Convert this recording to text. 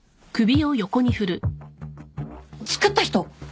作った人？